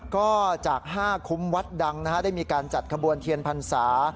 ก็จาก๕คุ้มวัดดังได้มีการจัดขบวนเทียนพรรษา